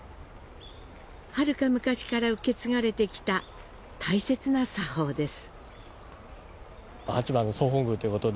はるか昔から受け継がれてきた大切な作法です。